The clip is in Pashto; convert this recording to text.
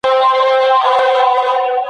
چي شراب دی له غمونوکي غافله